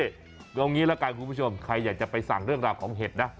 เอางี้ละกันคุณผู้ชมใครอยากจะไปสั่งเรื่องราวของเห็ดนะ